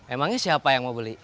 emangnya siapa yang mau beli